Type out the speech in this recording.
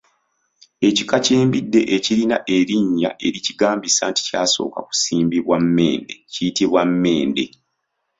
Ekika ky’embidde ekirina erinnya erikigambisa nti kyasooka kusimbibwa Mmende kiyitibwa Mmende